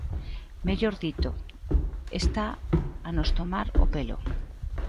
Mellor dito, está a nos tomar o pelo.